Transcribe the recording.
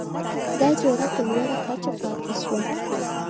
دا جوړه په لوړه کچه پاتې شوه؛